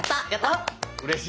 うれしい。